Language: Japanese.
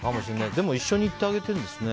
でも一緒に行ってあげているんですね。